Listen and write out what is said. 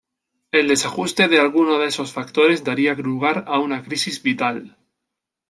El desajuste de alguno de esos factores daría lugar a una crisis vital.